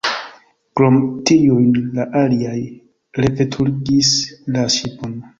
Krom tiujn, la aliaj reveturigis la ŝipon.